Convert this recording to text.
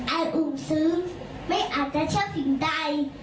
ไอ้อุ่มซึ้งไม่อาจจะเชื่อผิดใจ